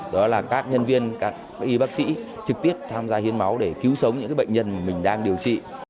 đó là các nhân viên các y bác sĩ trực tiếp tham gia hiến máu để cứu sống những bệnh nhân mà mình đang điều trị